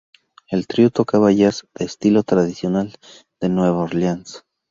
El trío tocaba jazz del estilo tradicional de Nueva Orleans.